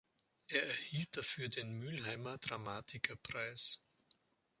Er erhielt dafür den Mülheimer Dramatikerpreis.